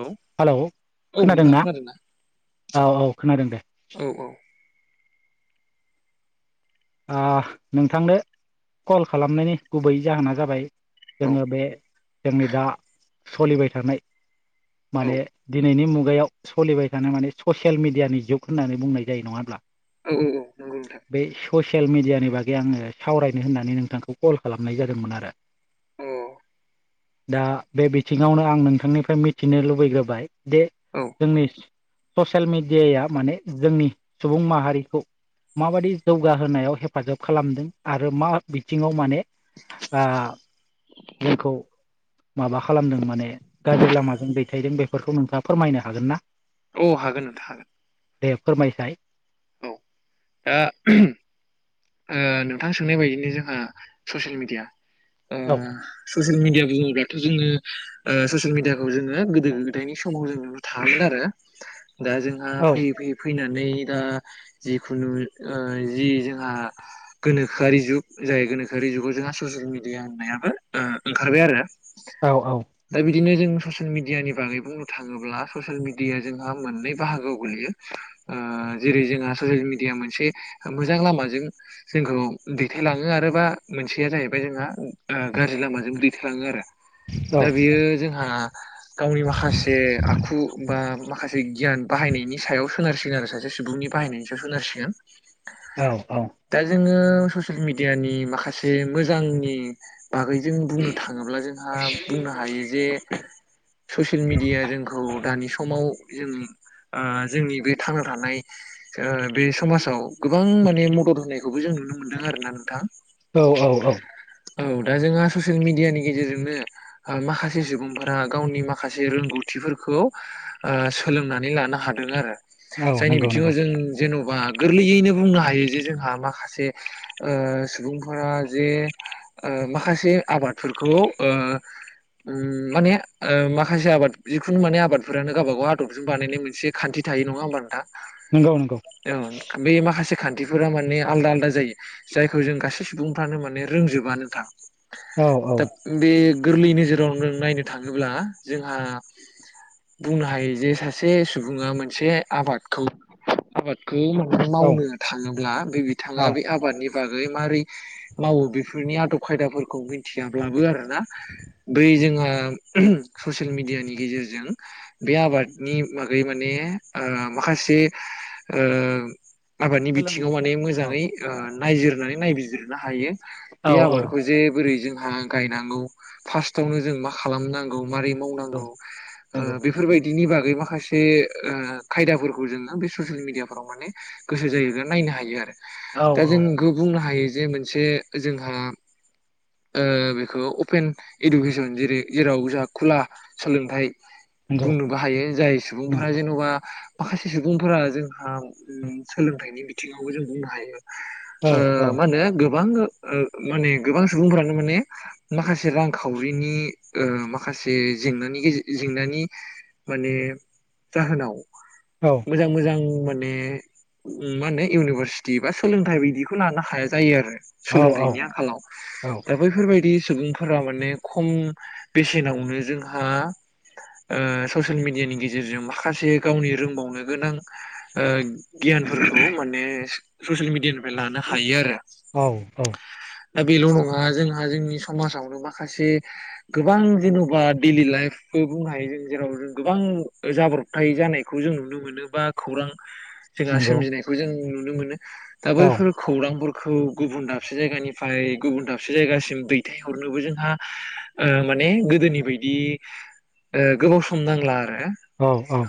औ हेलौ औ खोनादों नोंथां ना? खोनादोंना? औ औ खोनादों दे औ औ आह नोंथांनो कल खालामनायनि गुबै जाहोना जाबाय औ जोङो बे जोंनि दा सलिबाय थानाय औ माने दिनैनि मु मुगायाव सलिबाय थानाया माने ससियेल मिडियानि जुग होननानै बुंनाय जायो नङाब्ला औ नंगौ नोंथां। बे ससियेल मिडियानि बागै आङो सावरायनो होननानै नोंथांखौ कल खालामनाय जादोंमोन आरो औ दा बे बिथिंङावनो आं नोंथांनिफ्राय मिथिनो लुबैग्रोबाय बे औ जोंनि ससियेल मिडियाया माने जोंनि सुबुं माहारिखौ माबायदि जौ जौगा होनायाव हेफाजाब खालामदों आरो मा बिथिंङाव माने ओ जोंखौ माबा खालामदों माने गाज्रि लामाजों दैथायदों बेफोरखौ नोंथाङा फोरमायनो हागोन ना? औ हागोन नोंथां हागोन दे फोरमायसाय औ दा ओम नोंथां सोंनाय बायदिनो जोंहा ससियेल मिडिया ओ औ ससियेल मिडिया बुङोब्लााथ जों ओ ससियेल मिदियाखौ जों गोदो गोायनि सम समाव जों थांङामोन आरो दा जोंहा औ फैयै फैयै फैनानै नै दा जिखुनु ओ जि जोंहा गोनोखोआरि जुग जाय गोनोखोआरि जुगाव जोंहा ससियेल मिडिया होननायाबो ओ ओंखारबाय आरो औ औ। दा बिदिनो जों ससियेल मिडियानि बागै बुंनो थाङोब्ला ससियेल मिडियाया जोंहा मोननै बाहागोआव गोग्लैयो ओ जेरै जोंहा ससियेल मिडिया मोनसे मोजां लामाजों जोंखौ दैथायलाङो आरो बा मोनसेया जाहैबाय जोंहा ओ गाज्रि लामाजों दैथालाङो आरो औ दा बेयो जोंहा गावनि माखासे आखु बा माखासे गियान बाहायनायनि सायाव सोनारसिगोन आरो सासे सुबुंनि बाहायनायनि सायाव सोनारसिगोन। औ औ। दा जोङो ससियेल मिडियानि माखासे मोजांनि बागैजों बुंनो थाङोब्ला जोंहा बुंनो हायो जे ससियेल मिेडिया जोंखौ दानि समाव जों ओ जोंनि बे थांना थानाय बे समाजाव गोबां माने मदद होनायखौबो जों नुनो मोनदों आर ना नोंथां औ औ औ औ दा जोंहा ससियेल मिडियानि गेजेरजोंनो ओ माखासे सुबुंफोरा गावनि माखासे रोंगौथि बेफोरखौ सोलोंनानै लानो हादों आरो। औ जायनि नंगौ बिथिङाव नंगौ जों जेन'बा गोरलैयैनो बुंनो हायो जे जोंहा मा माखासे ओ सुबुंफोरा जे ओ माखासे आबादफोरखौ ओ उम माने ओ माखासे आबाद जिखुनु माने आबादफोरानो गावब गाव आदबजों बानायनाय मोनसे खान्थि थायो नङा होमबा नोंथां नंगौ नंगौ औ बे माखासे खान्थिफोरा माने आलदा आलदा जायो जायखौ जों गासै सुबुंफ्रानो माने रोंजोबानो था औ औ दा बे गोरलै नोजोराव नों नायनो थाङोब्ला जोंहा बुंनो हायो जे सासे सुबुङा मोनसे आबादखौ आबाद खौ औ मावनो थाङोब्ला बे बिथाङा औ बे आबादनि बागै माबारै मावो बेफोरनि आदब खायदाफोरखौ मिथियाब्लाबो आरोना बै जोंहा ओ ससियेल मिडियानि गेजेरजों बे आबादनि बागै माने ओ माखासे ओ आबादनि सोलों बिथिङाव माने औ मोजाङै ओ नायजिरनानै नायबिजिरनो हायो बे औ औ आबादखौ जे बोरै जोंहा गायनांगौ फार्स्टाआवनो जों मा खालामनां गौ मारै नंगौ मावनांगौ ओ नंगौ बेफोरबायदि बिनि बागै माखासे ओ खायदाफोरखौ जोङो बे ससिएल मिडिया फोराव माने गोसो जायोबा नाय नो हायो आरो। औ दा औ जों बेखौ बुंनो हायो जे मोनसे जोंहा ओ बेखौ अपेन इडुकेसन जेरै जेराव जोंहा खुला सोलोंथाइ नंगौ बुंनोबो हायो जाय सुबुंफोरा जेन'बा माखासे सुबुंफोरा जोंहा सोलोंथाइनि बिथिङावबो जों बुंनो हायो औ ओ औ माहोनो बे गोबां ओ माने गोबां सुबुंफोरानो माने माखासे रांखावरिनि ओ माखा से जेंनानि जेंनानि माने जाहोनाव औ मोजां मोजां माने मा होनो इउनिभार्सिट टि बा सोलोंथाइ बिायदिखौ लानो हाया जायो आरो सोलोंथाइनि आंखालाव औ दा बैफोरबायदि सुबुंफोरा माने खम बेसेनावनो जोंहा ओ ससियेल मिडियानि गेजेरजों माखासे गावनि रोंबावनो गोनां ओ गियानफोरखौ माने ससियेल मिडियानिफ्राय लानो हायो आरो। औ औ दा बेल' नङा जोंहा जोंनि समाजावनो माखासे गोबां जेन'बा देइलि लाइफ बो बुंनो हायो जों जेराव गोबां जाब्रबथाय जानायखौ जों नुनो मोनो बा खौरां जोंहा नंगौ सोमजिनायखौ जों नुनो मोनो। दा औ बैफोर खौरांफोर खौ गुबुन दाबसे जायगानिफ्राय गुबुन दाबसे जायगासिम दैथायहरनोबो जोंहा ओ माने गोदोनि बायदि गोबाव ओ सम नांला आरो। औ औ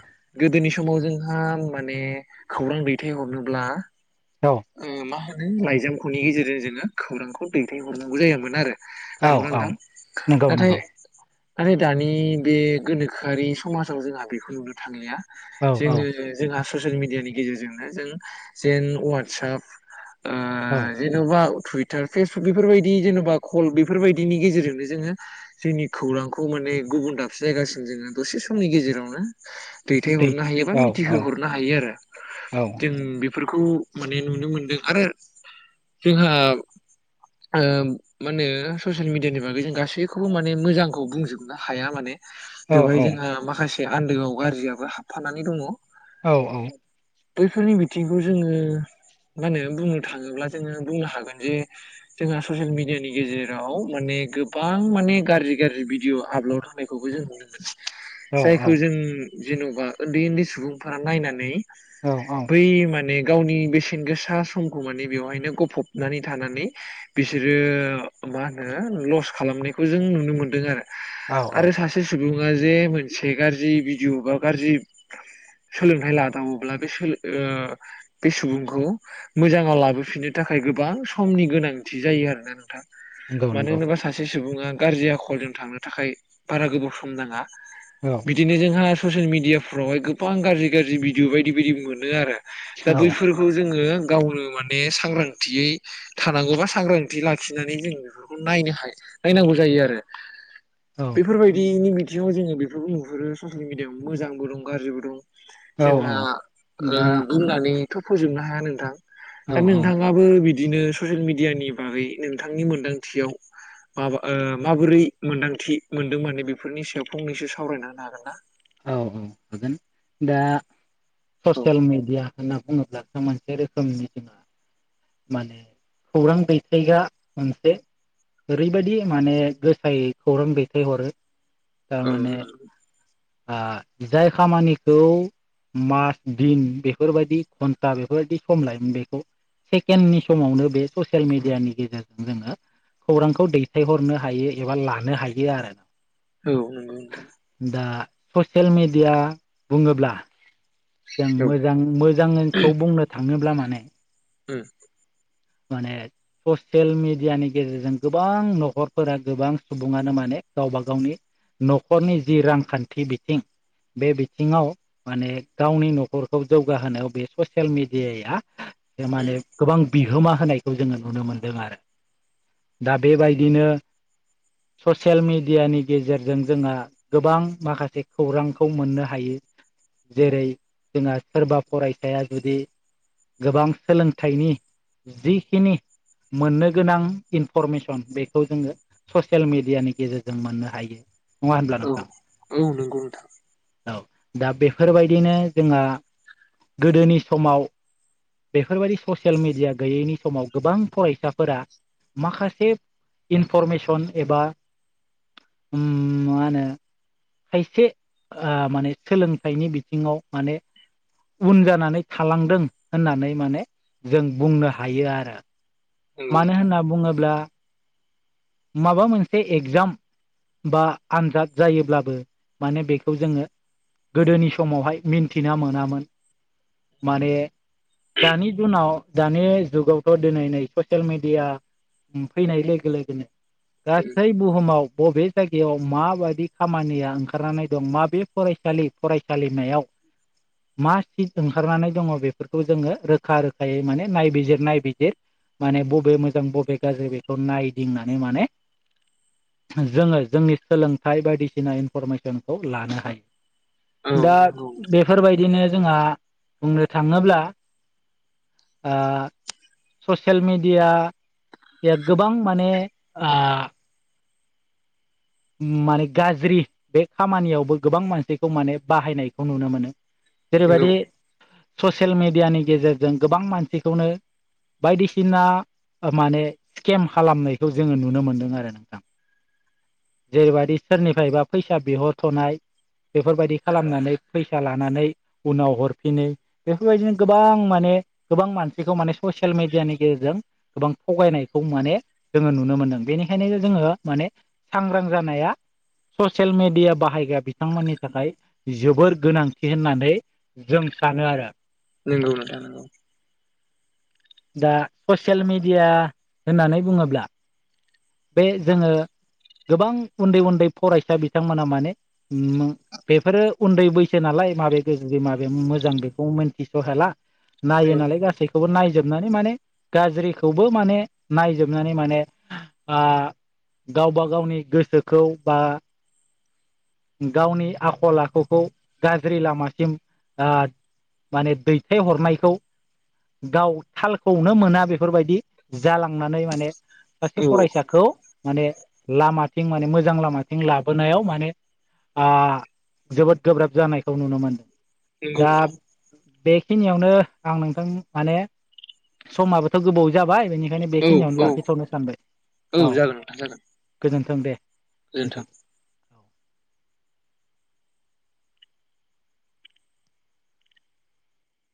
गोदोनि समाव जोंहा माने खौरां दैथायहरनोब्ला औ ओ मा होन नो लाइजामख'नि गेजेरजों जोङो खौरांखौ दैथायहरनांगौ जायामोन आरो। औ नंगौ ना औ नोंथां नंगौ नाथाय नंगौ आरो दानि बे गोनोखोआरि समाजाव जोंहा बेखौ नुनो थांलिया। औ जोङो औ जोंहा ससियेल मिडियानि गेजेरजोंनो जों जेन अवात्साप ओ औ जेन'बा थुइ तार फेसबुक बेफोरबायदि जेनेबा कल बेफोरबायदिनि गेजेरजोंनो जोङो जोंनि खौरांखौ माने गुबुन दाबसे जायगासिम जोङो दसे समनि गेजेरावनो दै दैथायहरनो हायो बा औ औ मिथिहो हरनो हायो आरो औ जों बिफोरखौ माने नुनो मोनदों आरो जोंहा ओ माने ससियेल मिडियानि बागै जों गासैखौबो माने मोजांखौ बुंजोबनो हाया माने। औ बेवहाय जोंहा माखासे आन्दोआव गाज्रियाबो हाबफानानै दङ। औ औ बैफोरनि बिथिंखौ जोङो मा होनो बुंनो थाङोब्ला जोङो बुंनो हागोन जे जोंहा स'सियेल मिडियानि गेजेराव माने गोबां माने गाज्रि गाज्रि भिडिअ' आपल'ड होनायखौबो जों नुनो मोनो। औ जायखौ जों जेन'बा उन्दै उन्दै सुबुंफोरा नायनानै बै माने गावनि बेसे सेनगोसा समखौ माने बेवहायनो गफबनानै थानानै बिसोरो मा होनो लस खालामनायखौ जों नुनो मोनदों आरो सासे सुबुं ङा जे मोनसे गाज्रि भिडिअ' बा गाज्रि सोलोंथाइ लादावोब्ला बे सोलो ओ बे सुबुंख खौ मोजाङाव लाबोफिननो थाखाय गोबां समनि गोनांथि जायो आरोना नोंथां। नंगौ मानो नंगौ होनोबा सासे सुबुङा गारजि आखलजों थांनो थाखाय बारा गोबाव सम नाङा। औ औ बिदिनो जोंहा ससियेल मिडियाफ्रावहाय गोबां गाज्रि गाज्रि भिडिअ बायदि बायदि मोनो आरो। सोखाव। ओ गावनो माने सांग्रांथियै थानांगौबा सांग्रांथि लाखिनानै जों बेफोरखौ नायनो हाय यो नायनांगौ जायो आरो। औ बेफोरबायदिनि बिथिङाव जोङो बेफोरखौ नुहुरो ससियेल मिडियायाव मोजांबो दं गाज्रिबो दं। औ जोंहा ओ दा बुंनानैथ' फोजोबनो हाया नोंथां? औ दा औ नोंथाङाबो बिदिनो ससियेल मिडियानि बागै नोंथांनि मोनदांथियाव माबा ओ माबोरै मोनदांथि मोनदों माने बेफोरनि सायाव फंनैसो सावरायना होनो हागोन ना? औ औ हागोन दा ना औ ससियेल मेडिया होनना बुङोब्लासो मोनसे रोखोमनि जोङो माने खौरां दैथायग्रा मोनसे ओरैबायदि माने गोसायै खौरां दैथायहरो ओ थारमाने ओ। ओ जाय खामानिखौ मास दिन बेफोरबायदि घन्टा बेफोरबायदि सम लायोमोन बेखौ। सेकेण्डनि समावनो बे ससियेल मिडियानि गेजेरजों जोङो खौरांखौ दैथायहरनो हायो एबा लानो हायो आरो। औ नंगौ नोंथां। ससेल मेडिया बुङोब्ला जों औ मोजां मोजांखौ बुंनो थाङोब्ला माने ओम। माने ससियेल मिडियानि गेजेरजों गोबां न'खरफोरा गोबां सुबुङानो माने गावबा गावनि न'खरनि जि रांखान्थि बिथिं बे बिथिङाव माने गावनि न'खरखौ जौगाहोनायाव बे ससियेल मिडियाया माने उम गोबां बिहोमा होनायखौ जोङो नुनो मोनदों आरो। दा बेबायदिनो ससियेल मिडियानि गेजेरजों जोंहा गोबां माखासे खौरांखौ मोननो हायो। जेरै जोंना सोरबा फरायसाया जुदि गोबां सोलोंथाइनि जिखिनि मोननो गोनां इनफरमेसन बेखौ जोङो ससियेल मिडियानि गेजेरजों मोननो हायो। नङा होनब्ला औ नोंथां औ नंगौ नोंथां। औ दा बेफोरबायदिनो जोंहा गोदोनि समाव बेफ बेफोरबायदि ससेल मिडिया गैयैनि समाव गोबां फरायसाफोरा माखासे इनफरमेसन एबा उम मा होनो खायसे ओ माने सोलोंथाइनि बिथिङाव माने उन जानानै थालांदों होननानै माने जों बुंनो हायो आरो। नंगौ मानो नोंथां होनना बुङोब्ला माबा मोनसे एगजाम बा आनजाद जायोब्लाबो माने बेखौ जोङो गोदोनि समावहाय मिन्थिना मोनामोन माने दानि जुनाव दानि जुगावथ' दिनै नै ससियेल मिडिया फैनाय लोगो-लोगोनो गासै बुहुमाव बबे जायगायाव माबायदि खामानिया ओंखारनानै दं माबे फरायसालि फरायसालिमायाव मा सिट ओंखारनानै दङ बेफोरखौ जोङो रोखा - रोखायै माने नायबिजिर नायबिजिर माने बबे मोजां बबे गाज्रि बेखौ नायदिंनानै माने जोङो जोंनि सोलोंथाइ बायदिसिना इनफरमेसनखौ लानो हायो। दा उम औ बेफोरबायदिनो जोंहा बुंनो थाङोब्ला ओ ससियेल मिडिया गोबां माने आ ओम माने गाज्रि बे खामानियावबो गोबां मानसैखौ माने बाहायनायखौ नुनो मोनो। नंगौ जेरैबादि ससियेल मिडियानि गेजेरजों गोबां मानसिखौनो बायदिसिना माने स्केम खालामनायखौ जोङो नुनो मोनदों आरो नोंथां। जेरैबायदि सोरनिफ्रायबा फैसा बिहरथ'नाय बेफोरबायदि खालामनानै फैसा लानानै उनाव हरफिनोय बेफोरबायदिनो गोबां माने हे गोबां मानसिखौ माने ससियेल मिडियानि गेजेरजों गोबां थगायनायखौ माने जोङो नुनो मोन बेनिखायनो जोङो माने सांग्रां जानाया ससियेल मिडिया बाहायग्रा बिथांमोननि थाखाय जोबोर गोनांथि होननानै जों सानो आरो। नंगौ नोंथां नंगौ। दा ससेल मेडिया होननानै बुङोब्ला बे जोङो गोबां उन्दै उन्दै फरायसा बिथांमोना माने बेफोरो उन्दै बैसो नालाय माबे गोजौ माबे मोजां बेखौ मिथिस' हाला। नायो औ नालाय गासैखौबो नायजोबनानै माने गाज्रिखौबो माने नायजोबनानै माने ओ गावबा गावनि गोसोखौ बा गावनि आखल आखुखौ गाज्रि लामासिम ओ माने दैथायहरनायखौ गाव थालखौनो मोना बेफोरबायदि जालांनानै माने सासे औ फरायसाखौ माने लामाथिं माने मोजां लामाथिं लाबोनायाव माने आ जोबोद गोब्राब जानायखौ नुनो मोनो। नोंगौ नोंथां। बेखिनियावनो आं नोंथां माने समाबोथ' गोबाव जाबाय बेनि खायनो औ बेखिनियावनो औ लाखिथावनो सानबाय औ जागोन नोंथां जागोन गोजोन गोजोनथों।